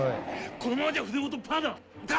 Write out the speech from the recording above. このままじゃ船ごとパーだ。